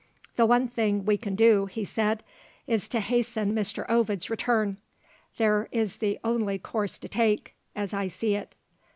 "The one thing we can do," he said, "is to hasten Mr. Ovid's return. There is the only course to take as I see it."